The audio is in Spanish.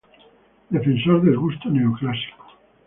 Defensor del gusto neoclásico.